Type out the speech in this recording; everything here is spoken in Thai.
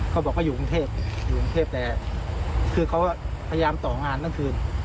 เขาบอกว่าอยู่กรุงเทพอยู่กรุงเทพแต่คือเขาพยายามต่องานทั้งคืน